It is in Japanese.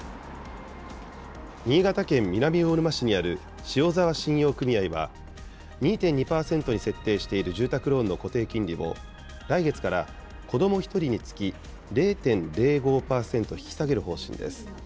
新潟県南魚沼市にある塩沢信用組合は、２．２％に設定している住宅ローンの固定金利を、来月から子ども１人につき０．０５％引き下げる方針です。